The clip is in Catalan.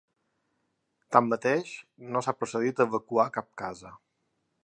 Tanmateix, no s’ha procedit a evacuar cap casa.